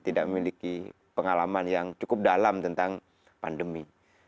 tidak memiliki pengalaman yang cukup dalam tentang pandemi